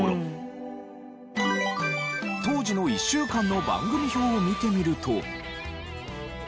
当時の１週間の番組表を見てみると。